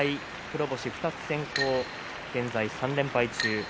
黒星２つ先行、現在３連敗中。